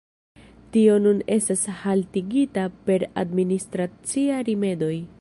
Tio nun estas haltigita per administraciaj rimedoj.